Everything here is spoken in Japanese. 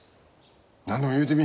何でも言うてみ。